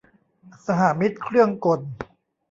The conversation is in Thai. สหมิตรเครื่องกล